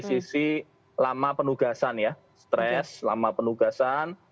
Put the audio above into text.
sisi lama penugasan ya stres lama penugasan